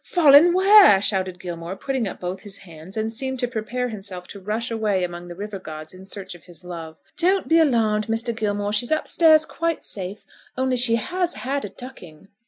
"Fallen where?" shouted Gilmore, putting up both his hands, and seeming to prepare himself to rush away among the river gods in search of his love. "Don't be alarmed, Mr. Gilmore, she's upstairs, quite safe, only she has had a ducking."